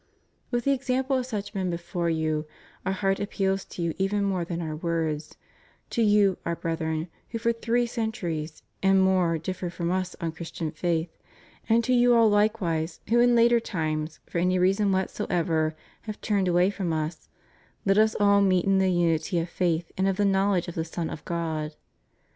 With the example of such men before you, Our heart appeals to you even more than Our words: to you, Our Brethren, who for three centuries and more differ from Us on Christian faith; and to you all likewise, who in later times, for any reason whatsoever, have turned away from Us: Let us all meet in the unity of faith and of the knowledge of the Son of God.